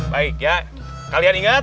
baik ya kalian ingat